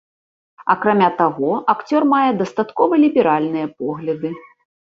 Акрамя таго, акцёр мае дастаткова ліберальныя погляды.